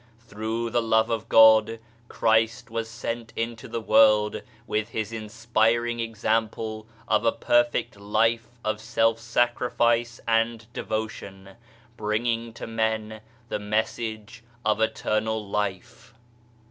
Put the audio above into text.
Through the Love of God Christ was sent into the world with His inspiring example of a perfect life of self sacrifice and devotion, bringing to men the message of Eternal Life.